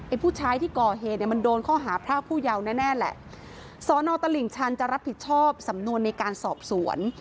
ผู้ชายที่ก่อเหตุเนี่ยมันโดนข้อหาพรากผู้เยาว์แน่แน่แหละสอนอตลิ่งชันจะรับผิดชอบสำนวนในการสอบสวน